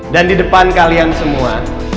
di depan kalian semua